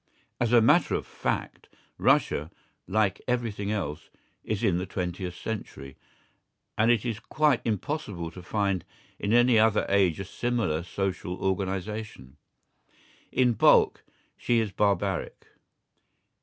As a matter of fact, Russia, like everything else, is in the twentieth century, and it is quite impossible to find in any other age a similar social organisation. In bulk, she is barbaric.